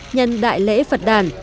nhân đại lễ phật đàn